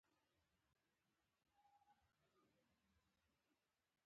ویګیانو مستقیماً د ځواکمنو ویګیانو د ګټو خلاف عمل کاوه.